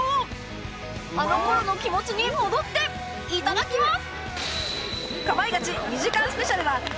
あの頃の気持ちに戻っていただきます！